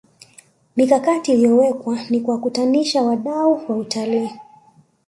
mikakati iliyowekwa ni kuwakutanisha wadau wa utalii